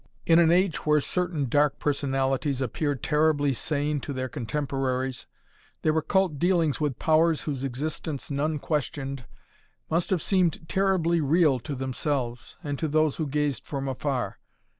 In an age where certain dark personalities appeared terribly sane to their contemporaries, their occult dealings with powers whose existence none questioned must have seemed terribly real to themselves and to those who gazed from afar.